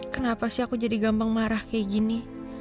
kenapa sih aku jadi gampang marah kayak gini